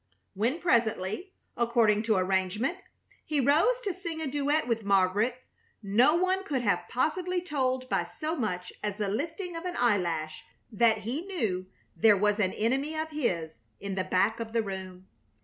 When, presently, according to arrangement, he rose to sing a duet with Margaret, no one could have possibly told by so much as the lifting of an eyelash that he knew there was an enemy of his in the back of the room.